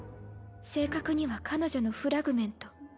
正確には彼女のフラグメント。